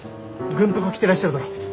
軍服を着てらっしゃるだろ。